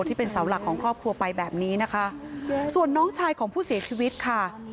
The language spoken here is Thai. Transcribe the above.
ที่เป็นเสาหลักของครอบครัวไปแบบนี้นะคะส่วนน้องชายของผู้เสียชีวิตค่ะ